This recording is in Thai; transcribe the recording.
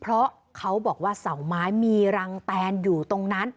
เพราะเขาบอกว่าเสาไม้มีรังแตนอยู่ตรงนั้น